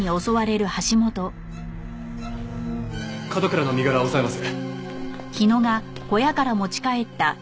角倉の身柄を押さえます。